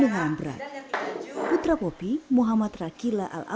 di bagian bagian jadi biasa